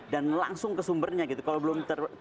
dan langsung ke sumbernya gitu kalau belum